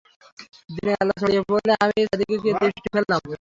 দিনের আলো ছড়িয়ে পড়লে আমি চারদিকে দৃষ্টি ফেললাম।